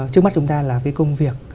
trước mắt chúng ta là cái công việc